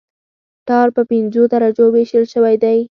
ټار په پنځو درجو ویشل شوی دی